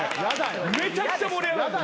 めちゃくちゃ盛り上がる。